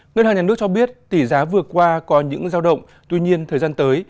ngân hàng nhà nước cho biết tỷ giá vừa qua có những giao động tuy nhiên thời gian tới